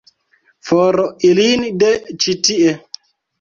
For ilin de ĉi tie!